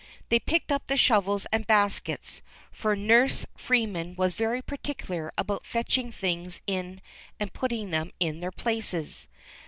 They picked up the shovels and baskets, for Nurse Freeman was very particular about fetching things in and putting them in their places.